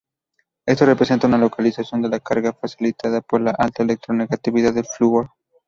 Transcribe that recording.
Esto representa una localización de la carga facilitada por la alta electronegatividad del flúor.